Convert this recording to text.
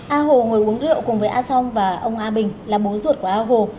a hồ ngồi uống rượu cùng với a song và ông a bình là bố ruột của a hồ